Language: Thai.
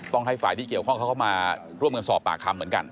ให้ฝ่ายที่เกี่ยวข้องเขาก็มาร่วมกันสอบปากคำเหมือนกัน